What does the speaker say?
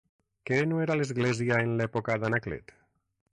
Què no era l'església en l'època d'Anaclet?